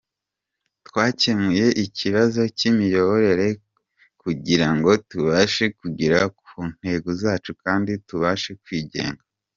Twakemuye ikibazo cy’imiyoborere kugira ngo tubashe kugera ku ntego zacu kandi tubashe kwigenga.